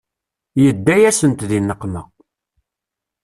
Yedda-yasent di nneqma.